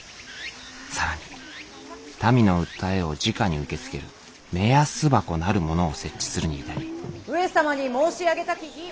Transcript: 更に民の訴えをじかに受け付ける目安箱なるものを設置するに至り上様に申し上げたき儀ある者は。